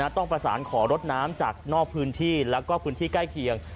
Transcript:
ต้องประสานขอรถน้ำจากนอกพื้นที่แล้วก็พื้นที่ใกล้เคียง